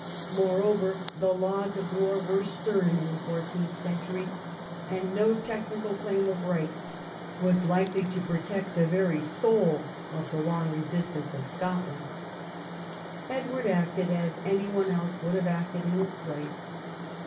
Moreover the laws of war were stern in the fourteenth century, and no technical claim of right was likely to protect the very 216 EDWARD I chap. soul of the long resistance of Scotland. Edward acted as any one else would have acted in his place.